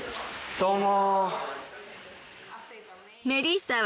どうも。